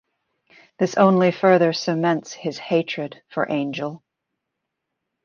This only further cements his hatred for Angel.